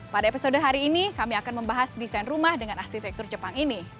pada episode hari ini kami akan membahas desain rumah dengan arsitektur jepang ini